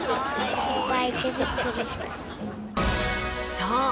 そう！